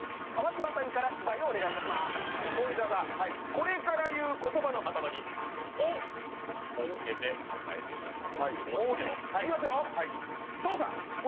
これから言う言葉の頭に「お」をつけて答えてください。